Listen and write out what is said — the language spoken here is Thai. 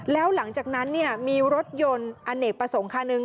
แล้วหลังจากนั้นมีรถยนต์อเนกประสงค์คันหนึ่ง